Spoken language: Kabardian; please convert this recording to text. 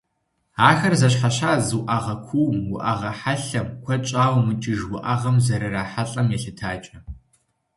Ахэр зэщхьэщадз уӏэгъэ кууум, уӏэгъэ хьэлъэм, куэд щӏауэ мыкӏыж уӏэгъэм зэрырахьэлӏэм елъытакӏэ.